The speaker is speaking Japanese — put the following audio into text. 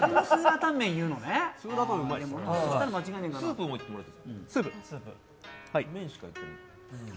スープもいってもらっていいですか？